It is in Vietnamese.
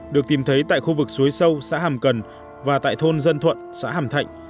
được tìm thấy tại khu vực suối sâu xã hàm cần và tại thôn dân thuận xã hàm thạnh